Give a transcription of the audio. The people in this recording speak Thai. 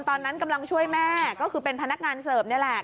ตอนนั้นกำลังช่วยแม่ก็คือเป็นพนักงานเสิร์ฟนี่แหละ